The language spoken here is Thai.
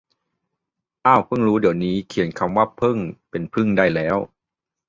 เอ้าเพิ่งรู้ว่าเดี๋ยวนี้เขียนคำว่าเพิ่งเป็นพึ่งได้แล้ว